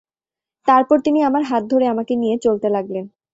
তারপর তিনি আমার হাত ধরে আমাকে নিয়ে চলতে লাগলেন।